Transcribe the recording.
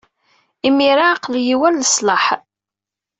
Imir-a, aql-iyi war leslaḥ.